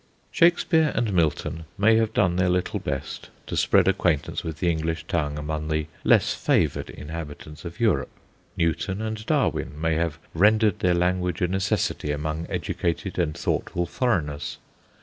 Shakespeare and Milton may have done their little best to spread acquaintance with the English tongue among the less favoured inhabitants of Europe. Newton and Darwin may have rendered their language a necessity among educated and thoughtful foreigners.